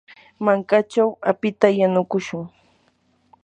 mankachaw apita yanukushun.